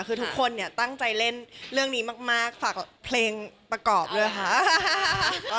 คือทุกคนเนี่ยตั้งใจเล่นเรื่องนี้มากฝากเพลงประกอบด้วยค่ะ